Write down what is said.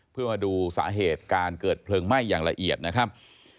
เพื่อมาดูสาเหตุการเกิดเพลิงไหม้อย่างละเอียดนะครับ